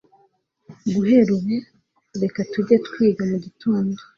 Guhera ubu reka tujye twiga mugitondo.